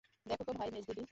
দেখো তো ভাই মেজদিদি!